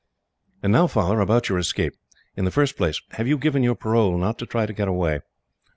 "And now, Father, about your escape. In the first place, have you given your parole not to try to get away?"